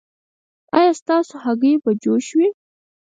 ایا ستاسو هګۍ به جوش وي؟